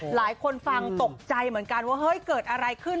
หลายคนฟังตกใจเหมือนกันว่าเฮ้ยเกิดอะไรขึ้น